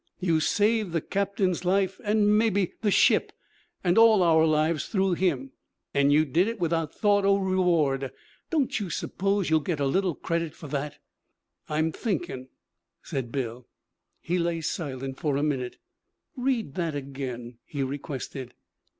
You saved the captain's life, an' mebbe the ship, an' all our lives through him. An' you did it without thought o' reward. Don't you s'pose you'll get a little credit for that?' 'I'm thinkin',' said Bill. He lay silent for a minute. 'Read that again,' he requested.